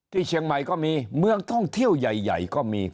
ที่เชียงใหม่ก็มีเมืองท่องเที่ยวใหญ่ก็มี